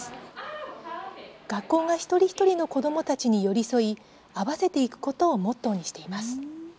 学校が一人一人の子どもたちに寄り添い、合わせていくことをモットーにしています。